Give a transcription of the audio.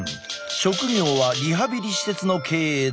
職業はリハビリ施設の経営だ。